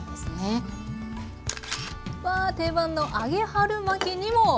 定番の揚げ春巻きにも。